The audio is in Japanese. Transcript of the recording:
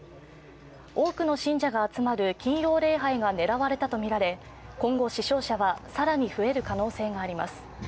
多くの信者が集まる金曜礼拝が狙われたとみられ今後、死傷者は更に増える可能性があります。